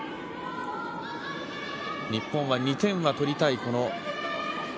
日本は２点は取りたい。